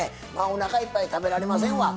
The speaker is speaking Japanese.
おなかいっぱい食べられませんわ。